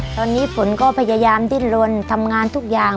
ตอนนี้ฝนก็พยายามดิ้นลนทำงานทุกอย่าง